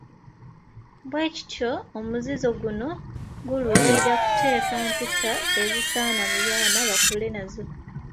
Bwe kityo omuzizo guno guluubirira kuteeka mpisa ezisaana mu baana bakule nazo.